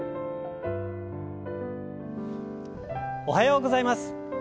おはようございます。